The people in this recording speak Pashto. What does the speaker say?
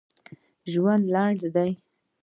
ژوند لنډ دی